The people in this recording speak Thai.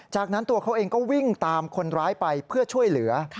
จากนั้นตัวเขาเองก็วิ่งตามคนร้ายไปเพื่อช่วยเหลือ